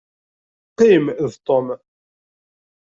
Qqim d Tom.